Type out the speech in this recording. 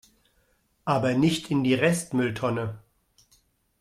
Aber nicht in die Restmülltonne!